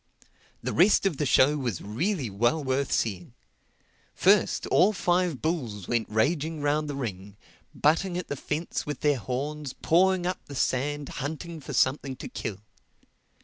The rest of the show was really well worth seeing. First, all five bulls went raging round the ring, butting at the fence with their horns, pawing up the sand, hunting for something to kill.